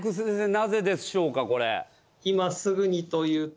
なぜでしょうか？